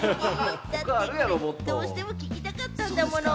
どうしても聞きたかったんですもの。